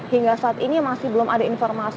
hingga saat ini masih belum ada informasi